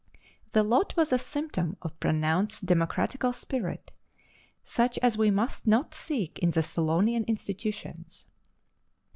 The lot was a symptom of pronounced democratical spirit, such as we must not seek in the Solonian institutions.